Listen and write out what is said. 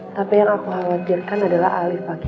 tapi yang aku khawatirkan adalah alif pak kiai